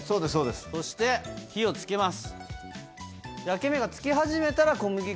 そして火をつけます。